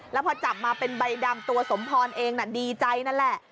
แล้วพอจับมาเป็นใบดำตัวสมพรเองดีใจนั่นแหละ